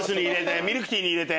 ミルクティーに入れて。